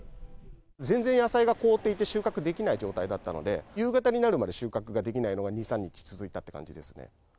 全然野菜が凍っていて、収穫できない状態だったので、夕方になるまで収穫ができないのが２、３日続いたって感じですね。